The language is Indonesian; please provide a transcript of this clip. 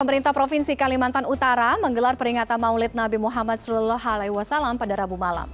pemerintah provinsi kalimantan utara menggelar peringatan maulid nabi muhammad saw pada rabu malam